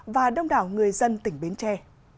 và đông đảo người dân tỉnh bến tre